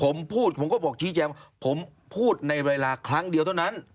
ผมพูดผมก็บอกชี้แจงว่าผมพูดในเวลาครั้งเดียวเท่านั้น